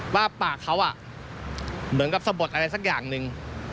ว่าปากเขาเหมือนกับสะบดอะไรสักอย่างหนึ่ง